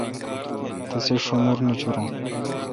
تسے°شمور نچُورِن